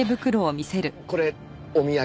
これお土産。